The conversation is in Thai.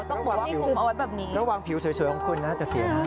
ต้องบอกว่ามีคลุมเอาไว้แบบนี้แล้ววางผิวเฉยเฉยของคนน่าจะเสียค่ะ